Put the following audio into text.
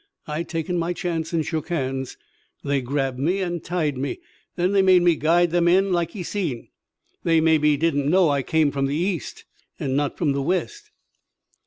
I taken my chance, an' shook hands. They grabbed me an' tied me. Then they made me guide them in, like ye seen. They maybe didn't know I come from the east an' not from the west.